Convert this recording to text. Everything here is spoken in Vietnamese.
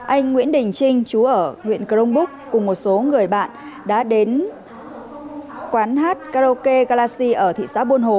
anh nguyễn đình trinh chú ở huyện crong búc cùng một số người bạn đã đến quán hát karaoke galaxy ở thị xã buôn hồ